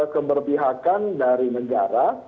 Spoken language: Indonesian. keberpihakan dari negara